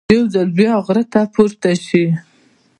یو ځل بیا غره ته پورته شي.